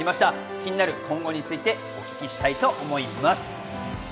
気になる今後について、お聞きしたいと思います。